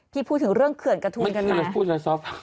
พี่พูดถึงเรื่องเขื่อนกระทูนกันนะ